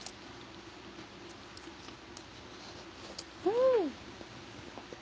うん！